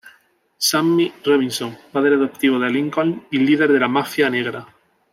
Sammy Robinson: Padre adoptivo de Lincoln y líder de la mafia negra.